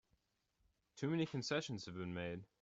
Too many concessions have been made!